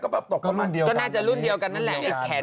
ก็แบบตกกันมากก็เซือตุ้ดเหมือนเดียวกันนั่นน่ะหลากินแขน